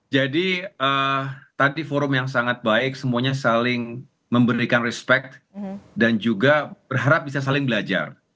jadi tadi forum yang sangat baik semuanya saling memberikan respect dan juga berharap bisa saling belajar